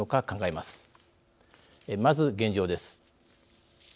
まず現状です。